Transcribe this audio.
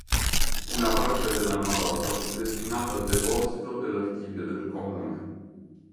Una parte della navata fu destinata a deposito dell'archivio del comune.